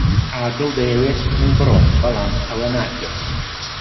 عادل دەیەوێت من بڕۆم، بەڵام ئەوە ناکەم.